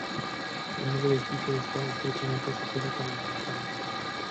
El nombre de Hecker está estrechamente asociado con el americanismo.